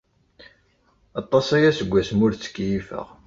Aṭas aya seg wasmi ur ttkeyyifeɣ.